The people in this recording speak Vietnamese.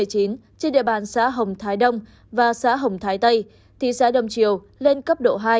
trên địa bàn xã hồng thái đông và xã hồng thái tây thị xã đông triều lên cấp độ hai